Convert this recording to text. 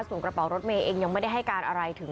ส่วนกระเป๋ารถเมย์เองยังไม่ได้ให้การอะไรถึง